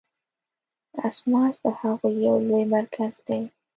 اسماس د هغوی یو لوی مرکز دی.